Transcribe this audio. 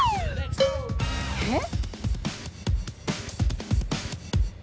えっ？